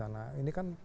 nah ini kan